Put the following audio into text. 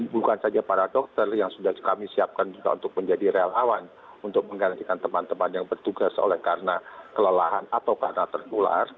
bukan saja para dokter yang sudah kami siapkan juga untuk menjadi relawan untuk menggantikan teman teman yang bertugas oleh karena kelelahan atau karena tertular